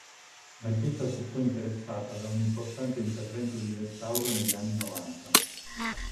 La chiesa fu poi interessata da un importante intervento di restauro negli anni novanta.